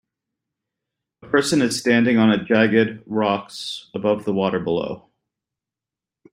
A person is standing on jagged rocks above the water below.